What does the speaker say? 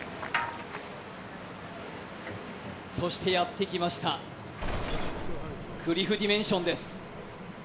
そしてやって来ましたクリフディメンションです。